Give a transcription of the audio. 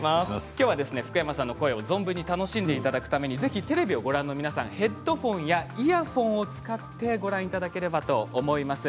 今日は福山さんの声を、存分に楽しんでいただくためにぜひテレビをご覧の皆さんヘッドホンやイヤホンを使ってご覧いただければと思います。